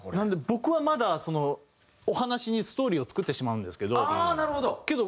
僕はまだそのお話にストーリーを作ってしまうんですけどけど